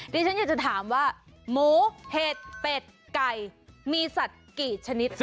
ดิฉันอยากจะถามว่าหมูเห็ดเป็ดไก่มีสัตว์กี่ชนิด